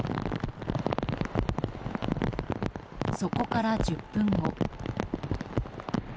そこから１０分後。